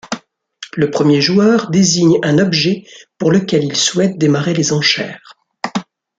Le premier joueur, désigne un objet pour lequel il souhaite démarrer les enchères.